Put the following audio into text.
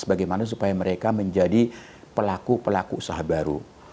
bagaimana supaya mereka menjadi pelaku pelaku usaha baru